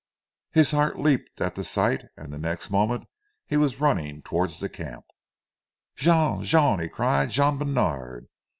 His heart leaped at the sight, and the next moment he was running towards the camp. "Jean! Jean!" he cried. "Jean Bènard!"